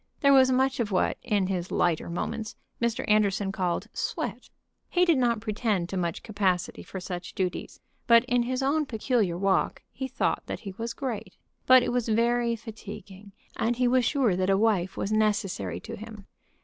There was much of what, in his lighter moments, Mr. Anderson called "sweat." He did not pretend to much capacity for such duties; but in his own peculiar walk he thought that he was great. But it was very fatiguing, and he was sure that a wife was necessary to him.